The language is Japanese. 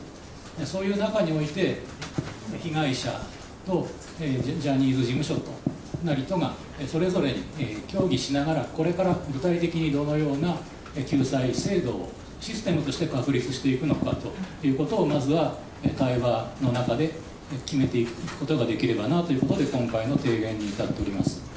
そういう中において、被害者とジャニーズ事務所とそれぞれ協議しながら、これから具体的にどのような救済制度をシステムとして確立していくのかということを、まずは対話の中で決めていくことができればなということで、今回の提言に至っております。